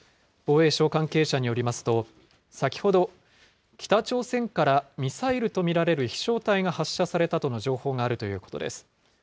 防衛省関係者によりますと、先ほど、北朝鮮からミサイルと見られる飛しょう体が発射されたとの情報があるということです。